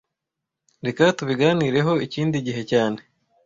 Reka tubiganireho ikindi gihe cyane